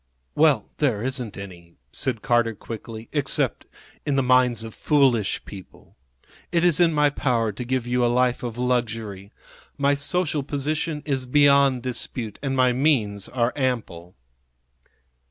"Well, there isn't any," said Carter, quickly, "except in the minds of foolish people. It is in my power to give you a life of luxury. My social position is beyond dispute, and my means are ample."